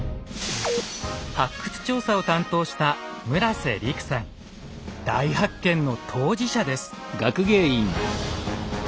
発掘調査を担当した大発見の当事者です。